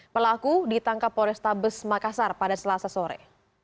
pelaku ditangkap polis tabes makassar pada selasa sore